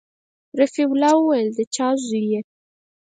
رفيع الله وويل د چا زوى يې.